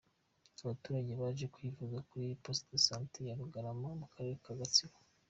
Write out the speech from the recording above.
Abaturage baje kwivuza kuri Poste de Sante ya Rugarama mu karere ka Gatsibo.